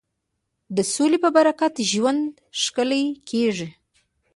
د سولې په برکت ژوند ښکلی کېږي.